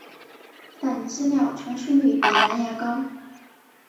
但资料传输率比蓝牙高。